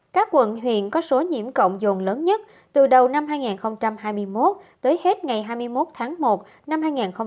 các quận huyện có số nhiễm cộng dồn lớn nhất từ đầu năm hai nghìn hai mươi một tới hết ngày hai mươi một tháng một năm hai nghìn hai mươi